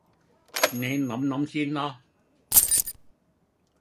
你諗諗先啦